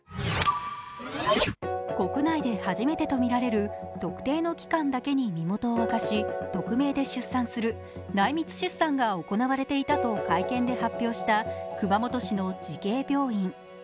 国内で初めてとみられる特定の機関だけに身元を明かし匿名で出産する内密出産が行われていたと会見で発表した熊本市の慈恵病院。